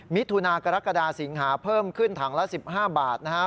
มิถุนากรกฎาสิงหาเพิ่มขึ้นถังละ๑๕บาทนะฮะ